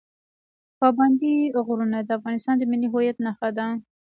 پابندی غرونه د افغانستان د ملي هویت نښه ده.